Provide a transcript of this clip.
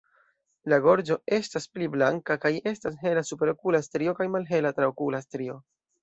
La gorĝo estas pli blanka kaj estas hela superokula strio kaj malhela traokula strio.